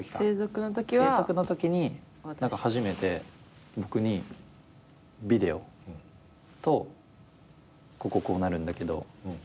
成徳のときに初めて僕にビデオと「こここうなるんだけどどう？」